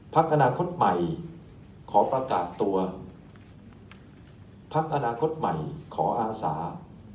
พักอนาคตใหม่ขอประกาศตัวพักอนาคตใหม่ขออาสา